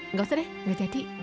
nggak usah deh nggak jadi